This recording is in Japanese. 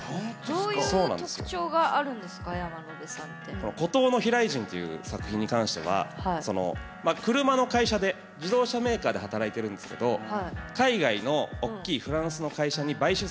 この「孤島の飛来人」という作品に関しては車の会社で自動車メーカーで働いてるんですけど海外の大きいフランスの会社に買収されちゃうと自分の会社が。